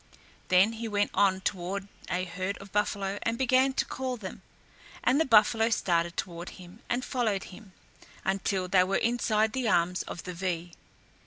Then he went on toward a herd of buffalo and began to call them, and the buffalo started toward him and followed him, until they were inside the arms of the V.